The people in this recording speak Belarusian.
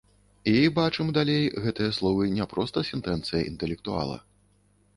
І, бачым далей, гэтыя словы не проста сэнтэнцыя інтэлектуала.